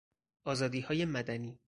آزادیهای مدنی